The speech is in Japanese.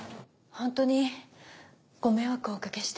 ホントにご迷惑をお掛けして。